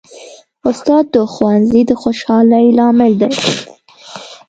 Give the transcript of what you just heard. استاد د ښوونځي د خوشحالۍ لامل دی.